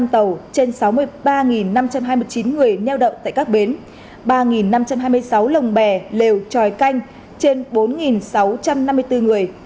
hai mươi bảy trăm năm mươi năm tàu trên sáu mươi ba năm trăm hai mươi chín người nheo động tại các bến ba năm trăm hai mươi sáu lồng bè lều tròi canh trên bốn sáu trăm năm mươi bốn người